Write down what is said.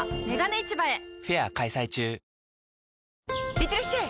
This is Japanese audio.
いってらっしゃい！